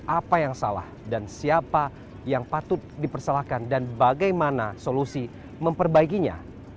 apa yang salah dan siapa yang patut dipersalahkan dan bagaimana solusi memperbaikinya